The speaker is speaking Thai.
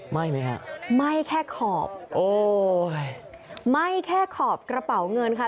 ไหม้ไหมฮะไหม้แค่ขอบโอ้ยไหม้แค่ขอบกระเป๋าเงินค่ะ